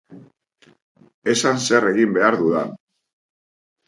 Esan zer egin behar dudan!